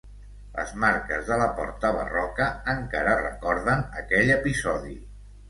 Les marques de la porta barroca encara recorden aquell episodi.